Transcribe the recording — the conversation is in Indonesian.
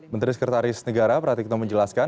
menteri sekretaris negara pratikno menjelaskan